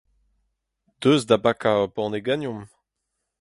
Deus da bakañ ur banne ganeomp !